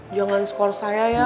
jangan skor saya ya